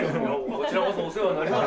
こちらこそお世話になりました。